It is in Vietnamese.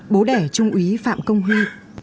bố đẻ trung úy phạm công huy